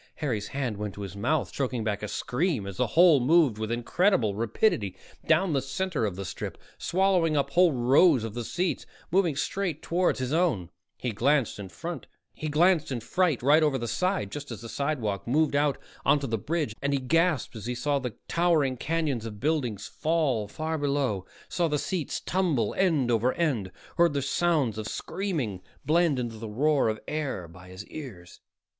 Harry's hand went to his mouth, choking back a scream as the hole moved with incredible rapidity down the center of the strip, swallowing up whole rows of the seats, moving straight toward his own. He glanced in fright over the side just as the sidewalk moved out onto the "bridge," and he gasped as he saw the towering canyons of buildings fall far below, saw the seats tumble end over end, heard the sounds of screaming blend into the roar of air by his ears.